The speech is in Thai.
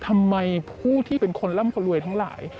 ทำไมผู้ที่เป็นคนร่ำคนรวยทั้งหลาย